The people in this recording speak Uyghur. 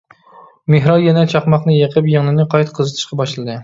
مېھراي يەنە چاقماقنى يېقىپ يىڭنىنى قايتا قىزىتىشقا باشلىدى.